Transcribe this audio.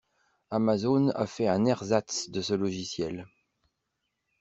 Amazon a fait un ersatz de ce logiciel.